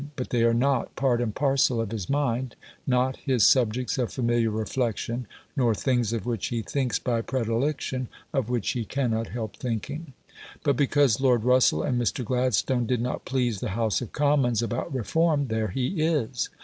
But they are not "part and parcel" of his mind; not his subjects of familiar reflection, nor things of which he thinks by predilection, of which he cannot help thinking. But because Lord Russell and Mr. Gladstone did not please the House of Commons about Reform, there he is.